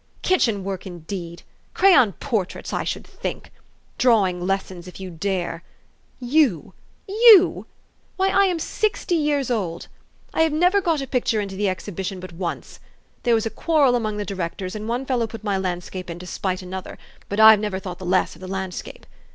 " Kitchen work, indeed! Crayon por traits, I should think ! Drawing lessons if you dare ! You you ! Why, I am sixty years old. I have 372 THE STORY OF AVIS. never got a picture into the exhibition but once. There was a quarrel among the directors, and one fellow put my landscape in to spite another but I've never thought the less of the landscape.